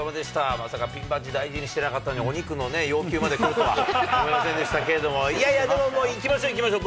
まさかピンバッジ大事にしてなかったのに、お肉のね、要求までくるとは思いませんでしたけれども、いやいや、でも、行きましょう、行きましょう。